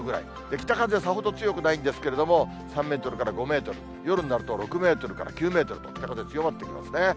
北風はさほど強くないんですけれども、３メートルから５メートル、夜になると６メートルから９メートルと、北風強まってきますね。